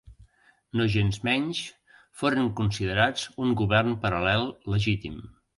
Nogensmenys foren considerats un govern paral·lel legítim.